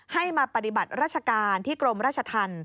ให้มาปฏิบัติราชการที่กรมราชธรรม